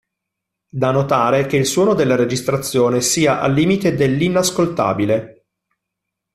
Da notare che il suono della registrazione sia al limite dell'inascoltabile.